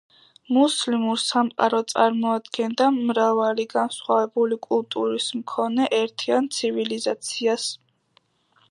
მუსლიმურ სამყარო წარმოადგენდა მრავალი განსხვავებული კულტურის მქონე ერთიან ცივილიზაციას.